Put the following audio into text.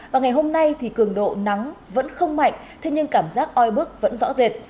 và ngày hôm nay thì cường độ nắng vẫn không mạnh thế nhưng cảm giác oi bức vẫn rõ rệt